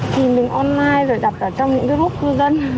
khi mình online rồi đặt vào trong những group cư dân